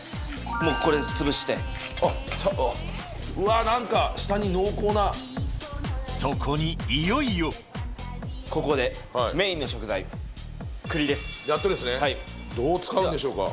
もうこれで潰してあっうわなんか下に濃厚なそこにいよいよここでやっとですねどう使うんでしょうか？